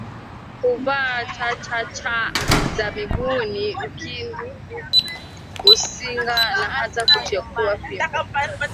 Huvaa chachacha za miguuni ukindu usinga na hata kuchukua fimbo